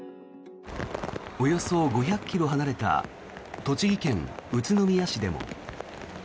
およそ５００ｋｍ離れた栃木県宇都宮市でも。